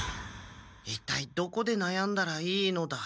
一体どこでなやんだらいいのだ。